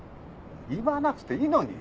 言わなくていいのに。